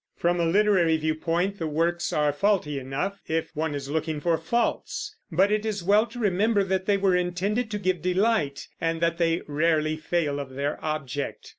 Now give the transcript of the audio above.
From a literary view point the works are faulty enough, if one is looking for faults; but it is well to remember that they were intended to give delight, and that they rarely fail of their object.